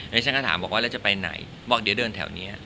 ดิฉันก็ถามว่าเราจะไปไหนบอกเดี๋ยวเดินแถวเนี้ย